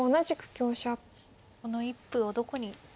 この一歩をどこに。